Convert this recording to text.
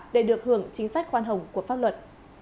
để được hưởng chính sách khoan hồng của pháp luật